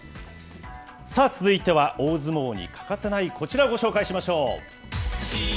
さあ、続いては大相撲に欠かせないこちら、ご紹介しましょう。